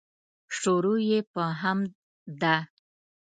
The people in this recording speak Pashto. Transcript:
شروع یې په حمد ده.